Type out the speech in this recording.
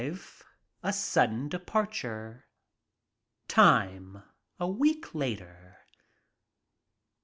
A SUDDEN DEPARTURE Time A week later.